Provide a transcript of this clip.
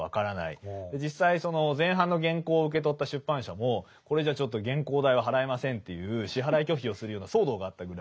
実際その前半の原稿を受け取った出版社もこれじゃちょっと原稿代は払えませんっていう支払い拒否をするような騒動があったぐらい。